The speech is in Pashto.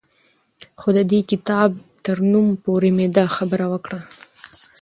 خو د دې کتاب تر نوم پورې مې دا خبره وکړه